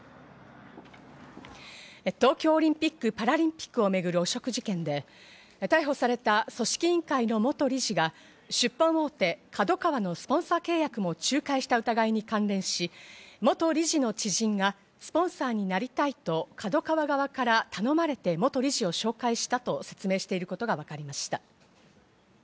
東京オリンピック・パラリンピックを巡る汚職事件で、逮捕された組織委員会の元理事が出版大手・ＫＡＤＯＫＡＷＡのスポンサー契約も仲介した疑いに関連し、元理事の知人がスポンサーになりたいとＫＡＤＯＫＡＷＡ側から頼まれて元理事を紹介したと説明していることが分かりました。